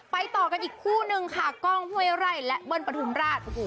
ไปต่อกันอีกคู่หนึ่งค่ะกล้องเวร่ายและเบิร์นประธุมราช